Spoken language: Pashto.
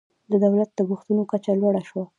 د دولت لګښتونو کچه لوړه شوه.